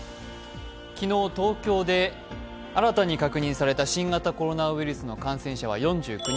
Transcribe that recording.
昨日、東京で新たに確認された新型コロナウイルスの感染者は４９人。